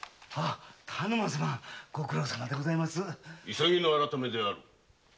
急ぎの「改め」である。